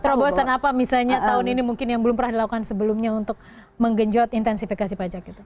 terobosan apa misalnya tahun ini mungkin yang belum pernah dilakukan sebelumnya untuk menggenjot intensifikasi pajak gitu